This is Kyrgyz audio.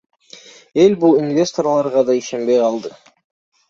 Эл бул инвесторлорго ишенбей деле калды.